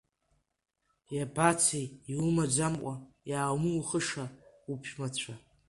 Иабацеи, иумаӡамкәа иааумухыша уԥшәмацәа!